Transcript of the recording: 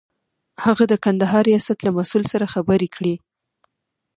هغه د کندهار ریاست له مسئول سره خبرې کړې.